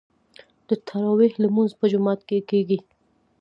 د تراويح لمونځ په جومات کې کیږي.